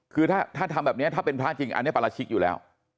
คือถ้าทำแบบนี้ถ้าเป็นพระจริงอันนี้ปราชิกอยู่แล้ว